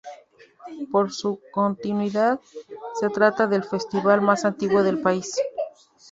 Por su continuidad, se trata del festival más antiguo del país.